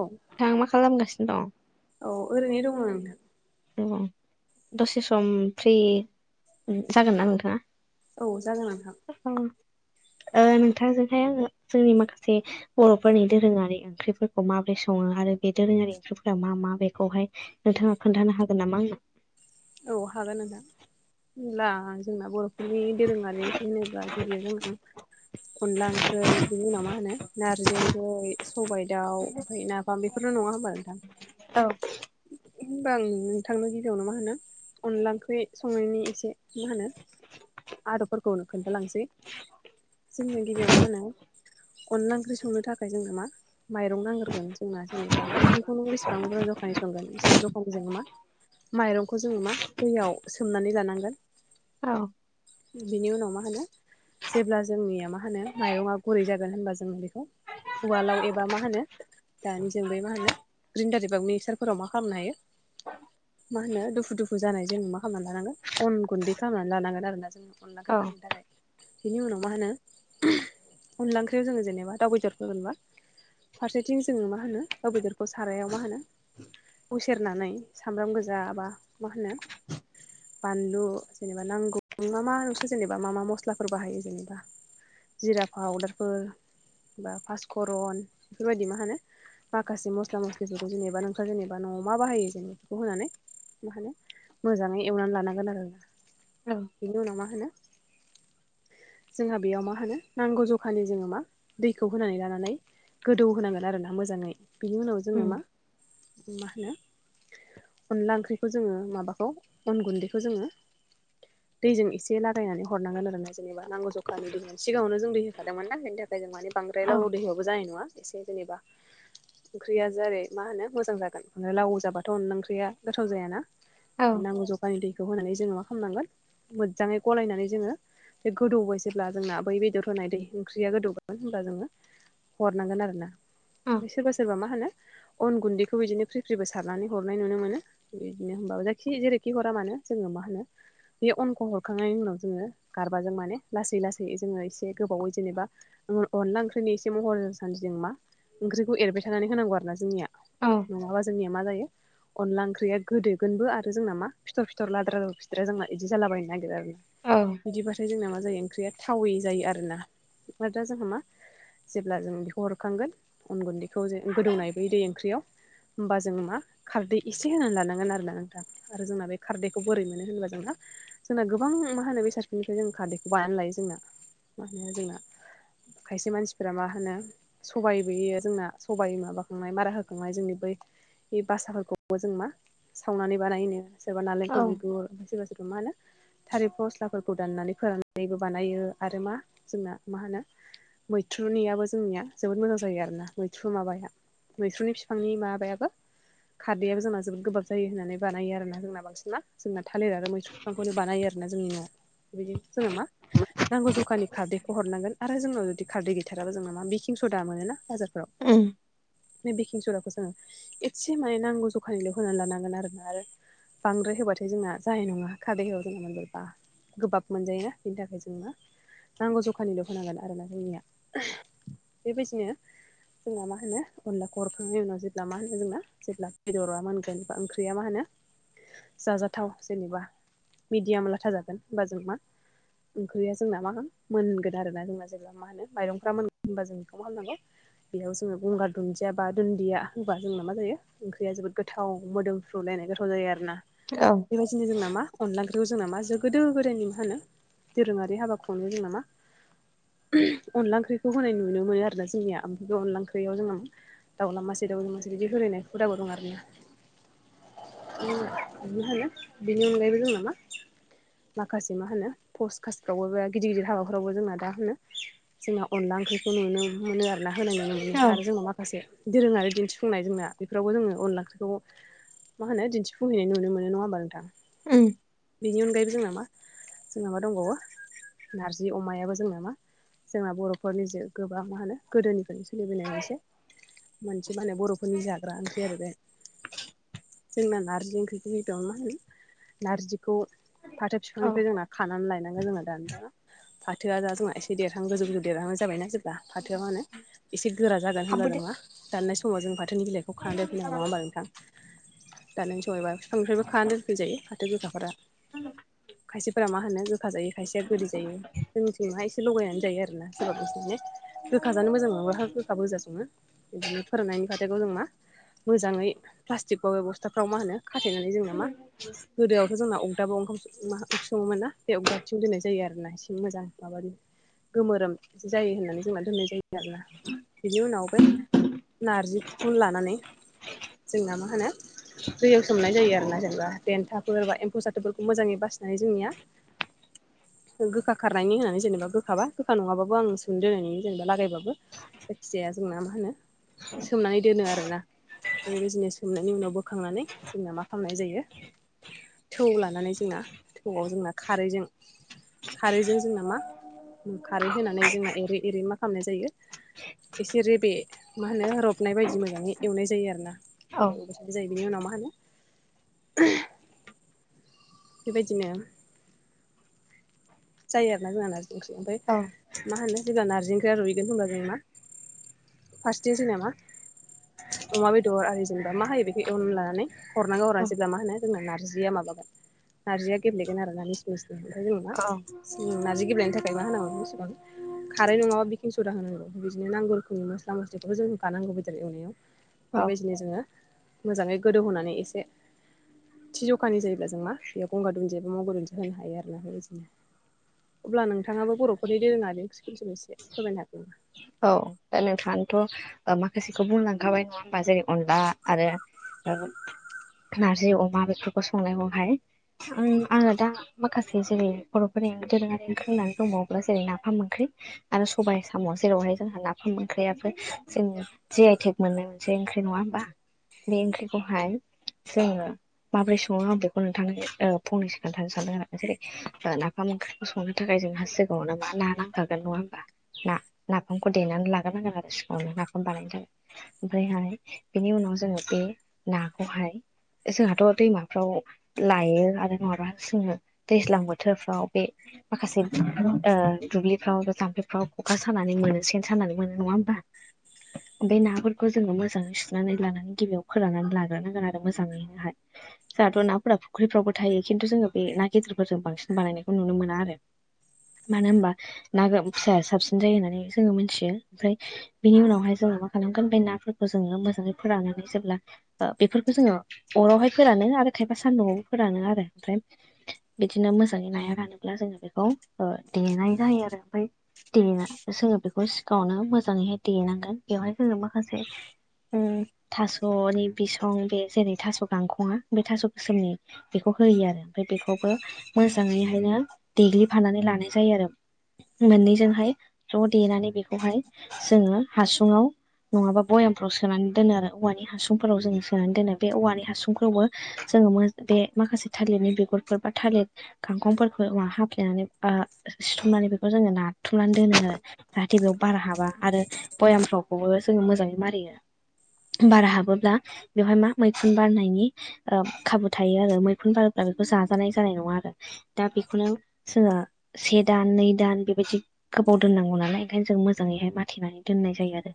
औ। नोंथा मा खालामगासिनो दं। औ ओरैनो दङ नों औ दसे सम फ्रि जागोन ना नोंथाङा। औ जागोन नोंथां। ओ नोंथांजोंहाय आङो जोंनि माखासे बर'फोरनि दोरोङारि ओंख्रिफोरखौ माबोरै सङो आरो बे दोरोङारि ओंख्रिफोरा मा मा बेखौहाय नोंथाङा खोन्थानो हागोन नामा आंनो औ हागोन नोंथां। होनब्ला जोंना बर'फोरनि दोरोङारि ओंख्रि होनोब्ला गिबियाव जोंना अनला ओंख्रै बिनि उनाव मा होनो नारजि ओंख्रै सबाइ दाउ [unintelligible] बेफोर' नङा होमबा नोंथां। औ। होनबा आं नोंथांनो गेजेरावनो मा होनो अनला ओंख्रि संनायनि एसे मा होनो आदबफोरखौनो खोन्थालांसै जोंनो गिबियाव मा होनो अनला ओंख्रि संनो थाखाय जोंनो मा माइरं नांग्रोगोन। जोंना जेनेबा ओंख्रिखौ नों बेसेबां [unintelligible] बेसेबां जखानि जो मा माइरंखौ जोङो मा दैयाव सोमनानै लानांगोन। औ। बिनि उनाव मा होनो जेब्ला जोंनिया मा होनो माइरङा गुरै जागोन होनबा जोङो बेखौ उवालाव एबा मा होनो दानि जों बे मा होनो ग्रिनडार एबा मिकसार फोराव मा खालामनो हायो। मा होनो दुफु दुफु जानाय जोङो मा खालामना लानांगोन अन गुन्दै खालामनानै लानांगोन आरो ना जोङो अनला औ खैखांनो थाखाय। बिनि उनाव मा होनो अनला ओंख्रियाव जोङो जेनेबा दाउ बेदर होगोनबा फारसेथिं जोङो मा होनो दाउ बेदरखौ सारायाव मा होनो उसेेरनानै सामब्राम गोजा बा मा होनो बानलु जेनेबा नांगौ न मा मा नोंसो जेनेबा मा मा मस्लाफोर बाहायो जेनेबा जिरा पाउदारफोर बा पास करन बेफोरबायदि मा होनो माखासे मस्ला मस्लिफोरखौ जेनेबा नों सा जेनेबा न'आव मा बाहायो बेखौ होनानै मा होनो मोजाङै एवनानै लानांगोन आरोना ओं बिनि उनाव मा होनो जोंहा बेयाव मा होनो नांगौ जखानि जोङो मा दैखौ होनानै लानानै गोदौ होनांगोन आरोना मोजाङै बिनि उनाव जोङो उम मा मा होनो अनला ओंख्रिखौ जोङो माबाखौ अन गुन्दैखौ जोङो दैजों इसे ए लागायनानै हरनांगोन आरोना जेनेबा नांगौ जखानि दै होनानि सिगाङावनो जों दै होखादोंमोन ना बेनि थाखाय जों माने बांद्राय औ लावलाव दै होबाबो जानाय नङा एसे जेनेबा ओंख्रिया जेरै मा होनो मोजां जागोन ओमफ्राय लावौ जाबाथ'ओंख्रिया गोथाव जाय ना औ नांगौ ज खानि दैखौ होनानै जोङो मा खालामनांगोन मोजाङै गलायनानै जोङो बे गोदौबाय जेब्ला जोंना बै बेदर होनाय दै ओंख्रिया गोदौगोन होनब्ला जोङो हरनांगोन आरोना औ ओ सोरबा सोरबा मा होनो अन गुन्दैखौ खौ बिदिनो फ्रिफ्रिबो सारनानै हरनाय नुनो मोनो बिदिनो होनबाबो जायखि जेरैखि हरा मानो जोङो मा होनो बे अनखौ हरखांनायनि उनाव जोङो गारबाजों माने लासै लासै जोङो एसे गोबावै जेनेबा अनला ओंख्रिनि एसे महर सान्दिजों मा ओंख्रिखौ एरबाय थानानै होनांगौ आरो ना जोंनिया औ नङाबा जोंनिया मा जायो अनला ओंख्रिया गोदोगोनबो आरोना मा फिथर फिथर लाद्रा फिथ्रा जोंना इ बिदि जालाबायनो नागिरो आरो औ औ बिदिबाथाय जोंना मा जायो ओंख्रिया थावै जायो आरोना आरो दा जोंहा मा जेब्ला जों बेखौ हरखांगोन अन गुन्दैखौ जों गोदौनायबोयो दै ओंख्रियाव होमबा जों मा खारदै इसे होनानै लानांगोन आरोना नोंथाङा आरो जोंना बे खारदैखौ बोरै मोनो होनबा जोंना जोंना गोबां मा होनो बेसादफोरनिफ्राय जों खारदैखौ बायनानै लायो जोंना मा होनो जोंना खायसे मानसिफोरा मा होनो सबाइबो होयो जोंना सबाइ माबाखांनाय मारा होखां नाय जोंनि बै बासाफोरखौबो जों मा सावनानै बानायनो जेनेबा नालेंखर बिगुर सोरबा सोरबा मा होनो थालिर फस्लाफोरखौ दाननानै फोराननानैबो बानायो आरो मा जोंना मा होनो मैथ्रुनियाबो जोंनिया जोबोद मोजां जायो आरोना मैथ्रु माबाया मैथ्रुनि फि फांनि माबायाबो खारदैयाबो जोंना जोबोद गोबाब जायो होननानै बानायो आरोना जोंना बांसिनना जोंना थालिर आरो मैथ्रु बिफांखौनो बानायो आरोना जोंनि नवाव बेबायदिनो जोङो मा नांगौ जखानि खारदैखौ हरनांगोन आरो जोंनाव जुदि खारदै गैथाराबा जोंना मा बेकिं सदा मोनो ना बाजार राव उम बे बेखिं सदा जों एसे माने नांगौ जखानि होनानै लानांगोन आरोआरो बांद्राय होबाथाय जोंना जानाय नङा खारदै हायाव जोंना मोनजोबबा गोबाब मोनजायोना बेनि थाखाय जों मा नांगौ जखानिल' होनांगोन आरोना जोंनिया बेबायदिनो जोंहा मा होनो अनला अरखांनायनि उनाव जेब्ला मा होनो जोंना जेब्ला बेदरा मोनगोन बा ओंख्रिया मा होनो जाजाथाव जेनेबा मिडियाम लाथा जागोन होमबा जों मा ओंख्रिया जोंना मा मोनगोन आर ना जोंना जेब्ला मा होनो माइरंफ्रा मोनगोन होनोमबा जों बेखौ मा खालामनांगौ बेयाव जोङो गंगार दुन्दिया बा दुन्दिया होमबा जोंना मा जायो ओंख्रिया जोबोद गोथाव मोदोमफ्रुलायनाय गोथाव जायो आरो ना औ बेबायदिनो जोंना मा अनला ओंख्रिखौ जोंना मा जो गोदो गोदायनि मा होनो दोरोङारि हाबा खुंनो जोंना मा अनला ओंख्रिखौ होनाय नुनो मोनो आरोना जोंनिया ओमफ्राय बे अनला ओंख्रियाव जो दावला मासि दावलि मासि बिदि होैनाय हुदाबो दं आरोना म होनो बिनि अनगायैबो जोंना मा माखासे मा होनो पस कासफ्रावबो गिदिर गिदिर हाबाफोरावबो जोंना दा होनो जोंना अनला ओंख्रिखौ नुनो मोनो आर ना होनाय नुनो मोनो औ आरो जोंनाव माखासे दोरोङारि दिन्थिफुंनाय जोंना बेफोरावबो जोङो अनला ओख्रिखौ मा होनो दिन्थिफुंहैनाय नुनो मोनो नङा होमबा नोंथां ओम बेनि अनगायैबो जोंना मा जोंन मा दंबावो नारजि अमायाबो जोंना मा जोंना बर'फोरनि जे गोबां मा होनो गोदोनिफोरनो सै सोलिबोनाय मोनसे मोनसे माने बर'फोरनि जाग्रा ओंख्रि आरो बे जोंना नार्जि ओंख्रिखौ होदोंंमोन नारजिखौ फाथो औ बिफांनिफ्राय जोंना खानानै लायनांगोन जोंना दानि द' फाथोआ द जा जोंहा एसे देरहां गोजौ गोजौ देरहांनो जाबायना जेब्ला फाथोआ मानो एसे गोरा जागोन होनब्ला हाबबोदो जों मा दाननाय समाव जों फाथोनि बिलाइखौ खानानै दोनफै नांगो नङा होमबा नोंथां दा नों सायबा फिफांनिफ्रायबो खाना दोनफै जायो फाथो गोखाफोरा खायसेफोरा मा होनो गोखा जायो खायसेया गोदै जायो जोंनिथिंहाय एसे लगायानो जायो आरोना सोरबा बोंसि माने गोखा जानो मोजां मोङा गोखाबो गोजा सङो बिदिनो फोराननानै फाथोखौ जों मा मोजाङै प्लास्टिक बाव बे बस्थाफ्राव मा होनो खाथेनानै जोंना मा [unintelligible] गोदोआवथ' जोंना अगदाबो ओंखाम ओंख सङोमोन ना बे अरदाबथिं दोन्नाय जायो आरोना एसे मोजां माब गोमोरोम जायो होननानै जोंना दोननाय जायो आरोना बिनि उनाव बे नारजिखौ लानानै जोंना मा होनो दैयाव सोमनाय जायो आरो ना जेनेबा देन्थाफोर बा एम्फौ सथोफोरखौ मोजाङै बासिनानै जोंनिया गोखा खारनायनि होननानै जेनेबा गोखाबा गोखा नङाबाबो आं स दोननायनि जेनेबा लागायबाबो जायखिजाया जोंना मा होनो सोमनानै दोनो आरोना बेबायदिनो सोमनायनि उनाव बोखांनानै जोंना मा खालामनाय जायो थौ लानानै जोंना थौआव जोंना खारैजों खारैजों जोंना मा खारै होनानै जोंना एरै एरै मा खालामनाय जायो एसे रेबे मा होनो रबनाय बायदि मोजाङै एवनाय जायो आरोना औ जायो बिनि उनाव मा होनो बेबायदिनो जायो ना जोंहा नारजि ओंख्रि ओमफ्राय [unintelligible] मा होनो जेब्ला नारजि ओंख्रिया रुइगोन होनबा जों मा फार्स्टथिं जोंना मा अमा बेदर आरो जेनेबा मा होयो बेखौ एवनानै लानानै हरनांगौ हरा औ जेब्ला मा होनो जोंना नारजिया माबागोन नारजिया गेब्लेगोन आरो ना मिस मिस ओमफ्राय जों [unintelligible] थिं नारजि गेब्लेनायनि थाखाय मा होनांगौ बेसेबां खारै नङाबा बेखिनि सरा होनांगौ बिदिनो नांगौ रोखोमनि मस्ला मस्लिखौ जों होखानांगौ बेदर एवनायाव औ बेबायदिनो जोङो मोजाङै गोदौहोनानै एसे थि जखानि जायोब्ला जों मा बेयाव गंगार दुनदिया बा मग' दुन्दि होनो हायो आरोना बिदिनो अब्ला नोंथाङाबो बर'फोरनि दोरोङाारि ओंख्रिखौ एसे फोरमायनो हागोन ना औ दा नोंथाङथ' माखासेखौ बुंलांखाबाय नङा होमबा जेरै अनला आरो नारजि अमा बेफोरखौ संनायखौहाय आं आङो दा माखासे जेरै बर'फोरनि ओंख्रि दोरोङारि ओंख्रि होननानै दंबावोब्ला जेरै नाफाम ओंख्रि आरो सबाइ सामस जेरावहाय जोंहा नाफाम ओंख्रियाबो जों जि आइटेक मोनो मोनसे ओंख्रि नङा होमबा? बे ओंख्रिखौहाय जोङो माबोरै सङो आं बेखौ नोंथां ओ फंनसो खोन्थानो सानदों आरो [unintelligible] [unintelligible] नाफाम ओंख्रिखौ संनो थाखाय जोंहा सिगाङावनो मा ना नांखागोन नङा होमबा ना नाफामखौ देनानै लाग्रोनांगोन आरो सिगङावनो नाफाम बानायनो थाखाय ओमफ्रायहाय बेनि उनाव जोङो बे नाखौहाय जोंहाथ' दैमाफ्राव लायो आरो नङाबा सोङो दैज्लां बोथोरफ्राव बे माखासे ओ दुब्लिफ्राव बा जाम्फैफ्राव अखा सानानै मोनो सेन सानानै मोनो नङा होमबा? बे नाफोरखौ जोङो मोजाङै सुनानै लानानै गिबियाव फोराननानै लाग्रोनांगोन आरो मोजाङै हाय जोंहाथ' नाफोरा फुख्रिफ्रावबो थायो खिन्थु जोङो बे ना गिजिरफोरजों बांसिन बानायनायखौ नुनो मोना आरो मानो होनबा ना फिसाया साबसिन जायो होननानै जोङो मोनथियो ओमफ्राय बेनि उनावहाय जोंङो मा खालामगोन बे नाफोरखौ जोङो मोजाङै फोराननानै जेब्ला बेफोरखौ जोङो अरावहाय फोरानो आरो खायफा सान्दुंआवबो फोरानो आरो ओमफ्राय बिदिनो मोजाङै नाया रानोब्ला जोङो बेखौ देनाय जायो आरो ओमफ्राय देना जोङो बेखौ सिगाङावनो मोजाङैहाय देेनांगोन बेवहाय जोङो माखासे उम थास'नि बिसं बे जेरै थास' गांखङा बे थास' गोसोमनि बेखौ होयो आरो ओमफ्राय बेखौबो मोजाङै हायनो देग्लिफानानै लानाय जायो आरो मोननैजोंहाय ज' देनानै बेखौहाय जोङो हासुङाव नङाबा भयामफ्राव सोनानै दोनो आरो औवानि हासुंफोराव जों सोनानै दोनो बे औवानि हासुंफ्रावबो जोङो बे माखासे थालिरनि बिगुरफोर बा थालिर गांखंफोरखौ हाफ्लेनानै ओ सिथमनानै बेखौ जोङो ना बुथुमनानै दोनो आरो जाहाथे बेयाव बारा हाबा आरो भयामफ्राव खौबो जोङो मोजाङै मारियो। बार हाबोब्ला बेवहाय मा मैखुन बारनायनि ओ खाबु थायो आरो मैखुन बार [unintelligible] बेखौ जाजानाय जानाय नङा आरो। दा बेखौनो जोङो से दान नै दान बेबायदि गोबाव दोननांगौ नालाय ओंखायनो जों मोजाङैहाय माथिनानै दोननाय जायो आरो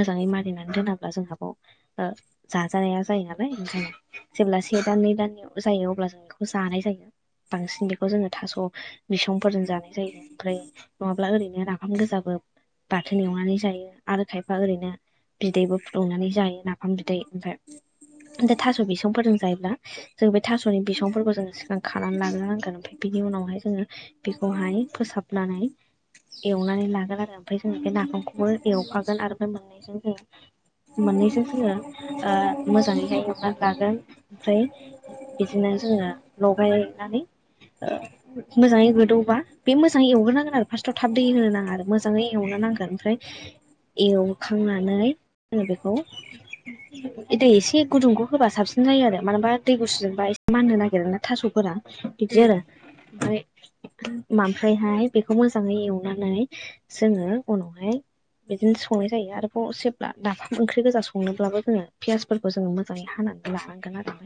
मोजाङै मानिनानै दोनाब्ला जोंहा बाव ओ जाजानाया जायो नालाय ओंखायनो जेब्ला से दान नै दाननि जायो अब्ला जों बेखौ जानाय जायो बांसिन बेखौ जोङो थास' बिसंफोरजों जानाय जायो ओमफ्राय फा ओरैनो नाफाम गोजाबो बाथोन एवनानै जायो आरो खायफा ओरैनो। बिदैबो फुदुंनानै जायो नाफाम बिदै ओमफ्राय बिदिनो थास' बिसंफोरजों जायोब्ला जों बे थास'नि बिसंफोरखौ जोङो सिगां खानानै लाबोनांगोन ओमफ्राय बिनि उनावहाय जोङो बेखौहाय फोसाबनानै एवनानै लागोन आरो ओमफ्राय जोङो बे नाफामखौबो एवफागोन आरो फ्राय मोननायजों जोङो मोननैजों जोङो ओ मोजाङैहाय [unintelligible] लागोन ओमफ्राय बिदिनो जोङो लगायनानै ओ मोजाङै गोदौबा बे मोजाङै एवग्रोनांगोन आरो फार्स्टआव थाब दै होनो नाङा आरो मोजाङै एवनो नांगोन ओमफ्राय एवखांनानै जोङो बेखौ दै एसे गुदुंखौ होबा साबसिन जायो आरो मानोबा दै गुसुजोंबा एसे माननो नागिरोना थास'फोरा बिदि उम आरो ओमफ्राय फ्रायहाय बेखौ मोजाङै एवनानै जोङो उनावहाय बिदिनो संनाय जायो आरोबाव जेब्ला नाफाम ओंख्रि गोजा संनोब्लाबो जोङो पियास फोरखौ जोङो मोजाङै हानानै लानांगोन आरो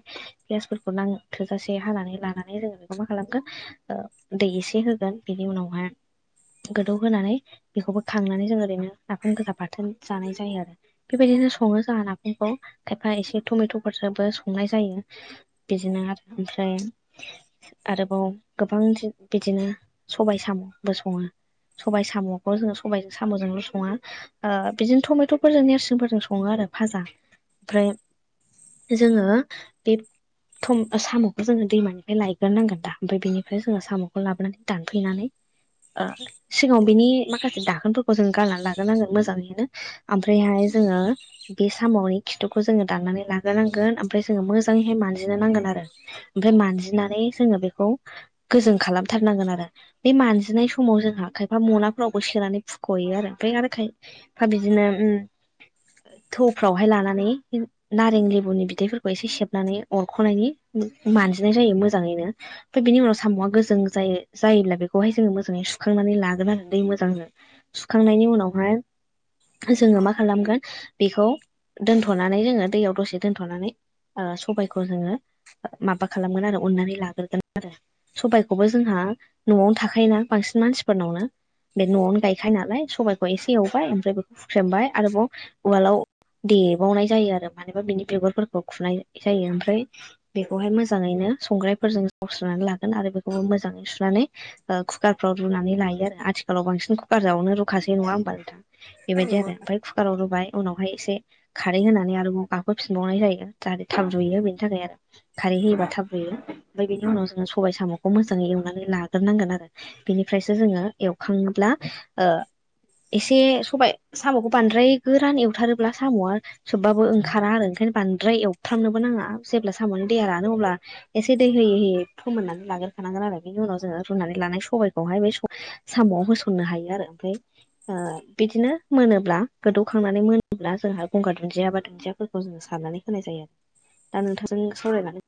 गेसफोरखौ नां थोजासे हानानै लानानै जोङो बेखौ मा खालामखो ओ दै एसे होगोन बेनि उनावहाय गोदौ होनानै बेखौबो खांनानै जों ओरैनो नाफाम गोसा बाथोन जानाय जायो आरो बेबायदिनो सङो जोंहा नाफामखौ खायफा एसे टमेट'फोरजोंबो संनाय जायो। बिदिनो आरो ओमफ्राय आरोबाव गोबां बिदिनो सबायाइ साम'बो सङो सबायाइ साम'खौ जोङो सबायजों साम'जोंल' सङा ओ बिदिनो टमेट'फोरजों नेरसिंफोरजों सङो आरो फाजा ओमफ्राय जोङो बे थम साम'खौ जोङो दैमानिफ्राय लायग्रोनांगोन दा ओमफ्राय बेनिफ्राय जोङो साम'खौ लाबोनानै दानफैनानै ओ सिगाङाव बिनि माखासे दाखोनफोरखौ जों गारनानै लाग्रोनांगोन मोजाङैनो ओमफ्रायहाय जोङो बे सामावनि खिथुखौ जोङो दाननानै लाग्रोनांगोन ओमफ्राय जोङो मोजाङैहाय मानजिनो नांगोन आरो ओमफ्राय मानजिनानै जोङो बेखौ गोजों खालामथारनांगोन आरो बे मानजिनाय समाव समाव जोंहा खायफा मनाफोरावबो सोनानै फुख'यो आरो ओमफ्राय आरो खाय खायफा बिदिनो ओम थौफ्रावहाय लानानै नारें लेबुनि बिदैफोरखौ एसे सेबनानै अरख'नायनि मानजिनाय जायो मोजाङैनो ओमफ्राय बेनि उनाव साम'आ गोजों जायो जायोब्ला बेखौहाय जोङो मो जै सुखांनानै लागोन आरो दै मोजांजों सुखांनायनि उनावहाय जोङो मा खालामगोन बेखौ दोनथ'नानै जोङो दैयाव दसे दोन्थ'नानै ओ सबायखौ जोङो माबा खालामगोन आरो अननानै लाग्रोगोन आरो सबायखौबो जोंहा न'आवनो थाखायोना बांसिन मानसिफोरनावनो बे न'आवनो गायखायो नालाय सबाय खौ एसे एवबाय ओमफ्राय बेखौ हुख्रेमबाय आरोबाव उवालाव देबावनाय जायो आरो मानबा बिनि बेगुरफोरखौ खुनाय जायो ओमफ्राय बेखौहाय मोजाङैनो संग्रायफोरजों सनानै लागोन आरो बेखौबो मोजाङै सुनानै ओ कुकारफ्राव रुनानै लायो आरो आथिखालाव बांसिन कुकार जावनो रुखासै नङा होनोमब नोंथां औ बेबायदि नंगौ आरो नोंथां ओमफ्राय कुकाराव रुबाय उनावहाय एसे खारै होनानै आरोबाव गाखोफिनबावनाय जायो जाहाथे थाब ज'यो बेनि थाखाय आरो खारै होयोबा थाब होयो ओमफ्राय बेनि उनाव जोङो सबाइ साम'खौ मोजाङै एवनानै लाग्रोनांगोन आरो बिनिफ्रायसो जोङो एवखाङोब्ला ओ एसे सबायाइ साम'खौ बांद्राय गोरान एवथारोब्ला साम'आ सबबाबो ओंखारा आरो ओंखायनो बांद्राय एवफ्रामनोबो नाङा जेब्ला साम'नो देहा रानो अब्ला एसे दै होयै होयै फोमोननानै लाग्रखानांगोन आरो बिनि उनाव जोङो रुनानै लानाय सबायखौहाय बे साम'आव होसननो हायो आरो ओमफ्राय ओ बिदिनो मोनोब्ला गोदौखांनानै मोनोब्ला जोंहा गंगार दुन्दियाबा दुन्दियाफोरखौ जोङ साननानै होनाय जायो आरो दा नोंथांजों सावरायनानै